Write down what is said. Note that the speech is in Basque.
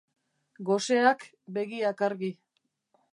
Goseak begiak argi.